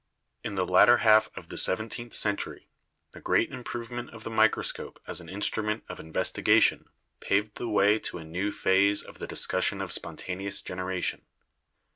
In the latter half of the seventeenth century the great improvement of the microscope as an instrument of inves tigation paved the way to a new phase of the discussion of spontaneous generation.